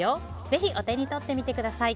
ぜひお手に取ってみてください。